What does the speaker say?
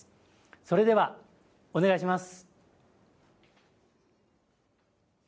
それではお願いします。